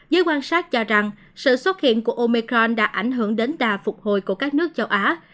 giới quan sát cho rằng sự xuất hiện của omecron đã ảnh hưởng đến đà phục hồi của các nước châu á